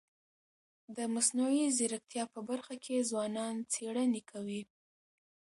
د مصنوعي ځیرکتیا په برخه کي ځوانان څيړني کوي.